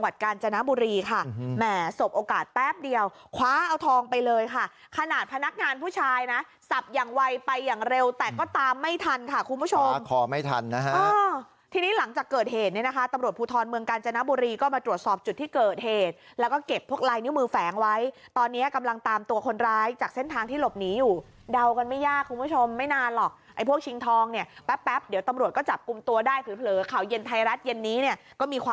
สับอย่างไวไปอย่างเร็วแต่ก็ตามไม่ทันค่ะคุณผู้ชมขอไม่ทันนะฮะทีนี้หลังจากเกิดเหตุเนี่ยนะคะตำรวจภูทรเมืองกาญจนบุรีก็มาตรวจสอบจุดที่เกิดเหตุแล้วก็เก็บพวกลายนิ้วมือแฝงไว้ตอนนี้กำลังตามตัวคนร้ายจากเส้นทางที่หลบหนีอยู่เดากันไม่ยากคุณผู้ชมไม่นานหรอกไอ้พวกชิงทองเนี่ยแป๊บเดี๋ยว